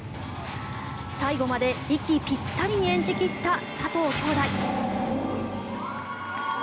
最後まで息ぴったりに演じ切った佐藤姉弟。